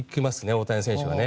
大谷選手が。